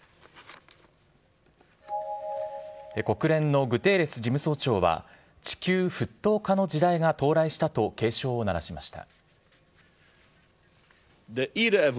国連のグテーレス事務総長は地球沸騰化の時代が到来したと警鐘を鳴らしました。